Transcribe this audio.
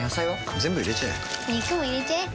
全部入れちゃえ肉も入れちゃえ